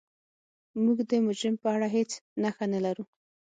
موږ د مجرم په اړه هیڅ نښه نلرو.